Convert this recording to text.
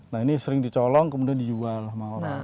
nah ini sering dicolong kemudian dijual sama orang